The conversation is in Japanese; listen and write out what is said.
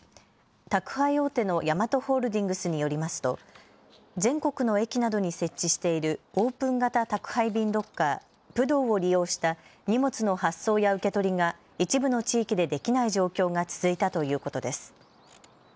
宅配大手のヤマトホールディングスによりますと全国の駅などに設置しているオープン型宅配便ロッカー、ＰＵＤＯを利用した荷物の発送や受け取りが一部の地域でできない状況が続いたということです。